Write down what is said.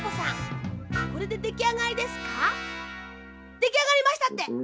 できあがりましたって！